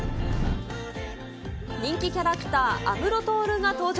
人気キャラクター、安室透が登場。